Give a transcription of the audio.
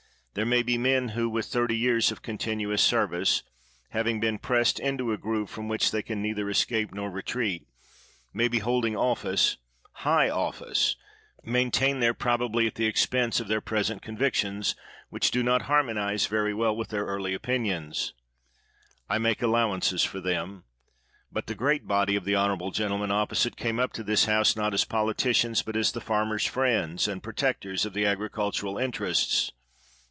There may be men who — with thirty years of continuous service, having been pressed into a groove from which they can neither escape nor retreat — may be holding office, high office, maintained there probably at the expense of their present con victions which do not harmonize very well with their early opinions. I make allowances for them ; but the great body of the honorable gentle men opposite came up to this House, not as politicians, but as the farmers' fiiends, and protectors of the agricultural interests.